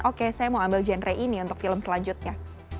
oke saya mau ambil genre ini untuk film selanjutnya